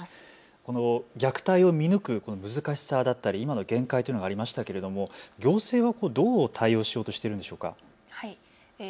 虐待を見抜く難しさだったり今の限界というのがありましたけれども行政はどう対応しようとしているんでしょうか。